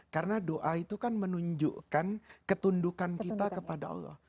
karena doa itu kan menunjukkan ketundukan kita kepada allah